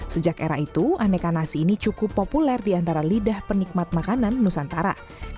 sejak era itu aneka nasi ini cukup populer di antara lidah penikmat makanan nusantara